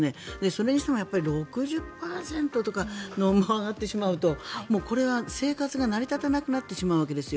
それにしても６０％とか上がってしまうとこれは生活が成り立たなくなってしまうわけです。